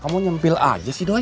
kamu nyempil aja sih doang